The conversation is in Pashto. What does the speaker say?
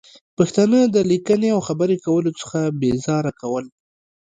پښتانه د لیکنې او خبرې کولو څخه بې زاره کول